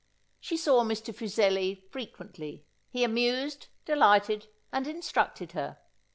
She saw Mr. Fuseli frequently; he amused, delighted and instructed her.